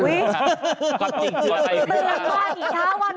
อุ๊ยจริงตื่นก่อนอีกช้าวันหนึ่ง